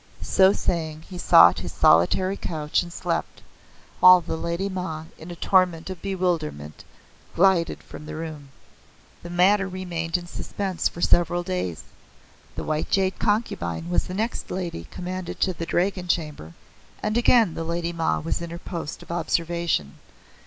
So saying, he sought his solitary couch and slept, while the Lady Ma, in a torment of bewilderment, glided from the room. The matter remained in suspense for several days. The White Jade Concubine was the next lady commanded to the Dragon Chamber, and again the Lady Ma was in her post of observation.